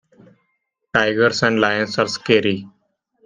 Tigers and lions are scary.